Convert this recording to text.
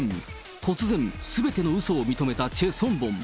突然、すべてのうそを認めたチェ・ソンボン。